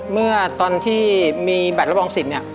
เมื่อตอนที่มีบัตรรับรองสิทธิ์เนี่ย